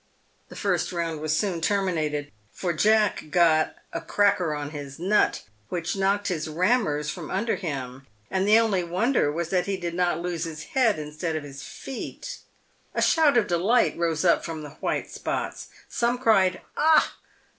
The first round was soon terminated, for Jack got a " cracker on his nut" which knocked his "rammers" from under him, and the only wonder was that he did not lose his head instead of his feet. A shout of delight rose up from the white spots. Some cried, " Ah